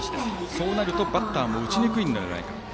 そうなるとバッターも打ちにくいのではないか。